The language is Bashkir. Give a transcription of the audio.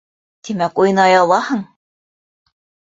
Тимәк, уйнай алаһың!